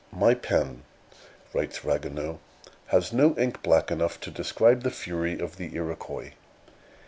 "My pen," writes Ragueneau, "has no ink black enough to describe the fury of the Iroquois."